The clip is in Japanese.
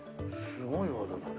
すごい技だね。